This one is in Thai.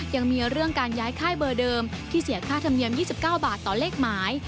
ยังมีเรื่องการย้ายค่ายเบอร์เดิมที่เสียค่าธรรมเนียม๒๙บาทต่อเลขหมาย